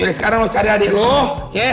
yaudah sekarang lo cari adik lo ya